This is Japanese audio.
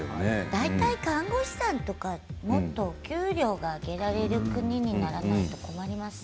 だいたい看護師さんとかもっと給料が上げられる国にならないと困りますよ。